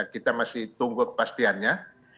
kita masih tunggu kepastiannya